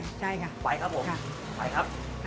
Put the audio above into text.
ได้ใช่ค่ะไปครับมีค่ะอ่า